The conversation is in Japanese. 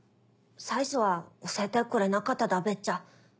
最初は教えてくれなかっただべっちゃ。